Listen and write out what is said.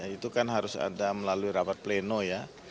itu kan harus ada melalui rapat pleno ya